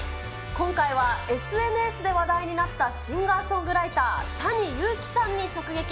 今回はＳＮＳで話題になったシンガーソングライター、タニ・ユウキさんに直撃。